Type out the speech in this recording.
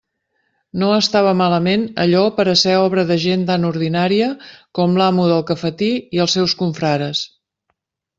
No estava malament allò per a ser obra de gent tan ordinària com l'amo del cafetí i els seus confrares.